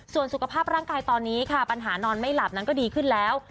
ส่วนสุขภาพร่างกายตอนนี้ค่ะปัญหานอนไม่หลับนั้นก็ดีขึ้นแล้ว